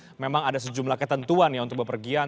penyekatan memang ada sejumlah ketentuan ya untuk berpergian